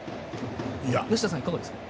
梨田さんいかがですか。